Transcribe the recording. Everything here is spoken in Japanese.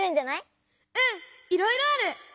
うんいろいろある！